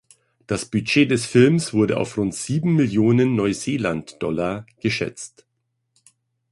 Das Budget des Films wurde auf rund sieben Millionen Neuseeland-Dollar geschätzt.